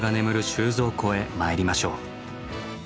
収蔵庫へ参りましょう。